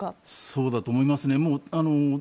そうだと思います。